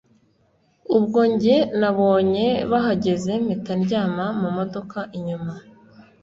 ubwo njye nabonye bahageze mpita ndyama mumodoka inyuma